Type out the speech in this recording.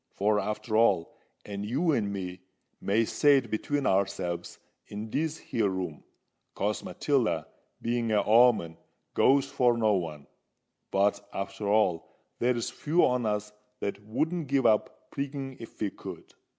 For, arter all—and you and me may say it between ourselves in this here room, 'cause Matilda, being a o'oman, goes for no one,—but, arter all, there's few on us that wouldn't give up prigging if we could.